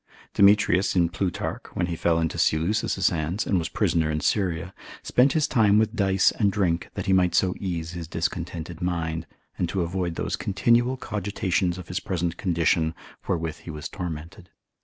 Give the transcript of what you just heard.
Demetrius in Plutarch, when he fell into Seleucus's hands, and was prisoner in Syria, spent his time with dice and drink that he might so ease his discontented mind, and avoid those continual cogitations of his present condition wherewith he was tormented.